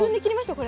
これ。